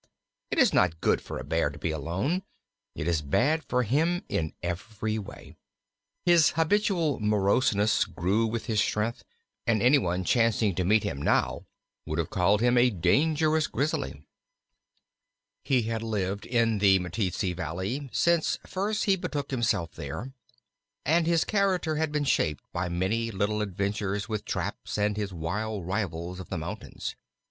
It is not good for a Bear to be alone; it is bad for him in every way. His habitual moroseness grew with his strength, and any one chancing to meet him now would have called him a dangerous Grizzly. He had lived in the Meteetsee Valley since first he betook himself there, and his character had been shaped by many little adventures with traps and his wild rivals of the mountains.